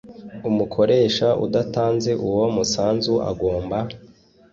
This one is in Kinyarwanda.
Umukoresha udatanze uwo musanzu agomba